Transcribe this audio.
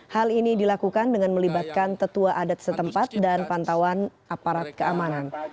hal ini dilakukan dengan melibatkan tetua adat setempat dan pantauan aparat keamanan